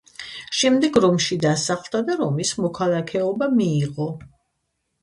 შემდეგ რომში დასახლდა და რომის მოქალაქეობა მიიღო.